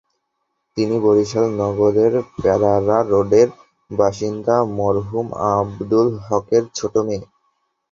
তিনি বরিশাল নগরের প্যারারা রোডের বাসিন্দা মরহুম আবদুল হকের ছোট মেয়ে।